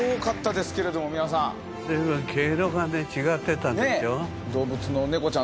でも毛色が違ってたでしょ。